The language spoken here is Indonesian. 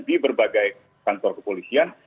di berbagai kantor kepolisian